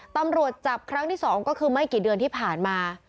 ตำรวจจับครั้งที่๒ก็คือไม่กี่เดือนที่ผ่านมา